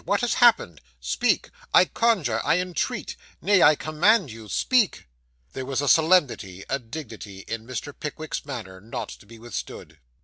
What has happened? Speak I conjure, I entreat nay, I command you, speak.' There was a solemnity a dignity in Mr. Pickwick's manner, not to be withstood.